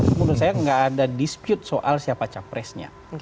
menurut saya nggak ada dispute soal siapa capresnya